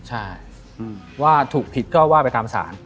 ใช่ว่าถูกผิดก็ว่าไปตามศาล